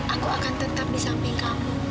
aku akan tetap di samping kamu